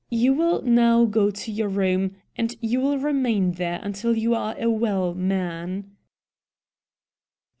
You will now go to your room, and you will remain there until you are a well man."